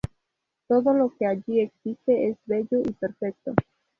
Todo lo que allí existe es bello y perfecto.